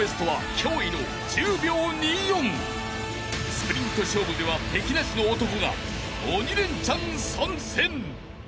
［スプリント勝負では敵なしの男が鬼レンチャン参戦］